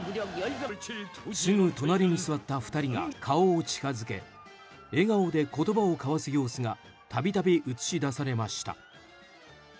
すぐ隣に座った２人が顔を近づけ笑顔で言葉を交わす様子がたびたび映し出されました。